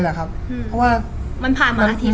ได้รับมาเมื่อวานดี